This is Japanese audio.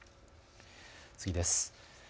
次です。